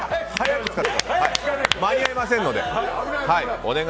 間に合いませんので。